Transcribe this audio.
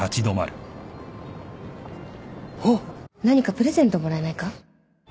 何かプレゼントもらえないか？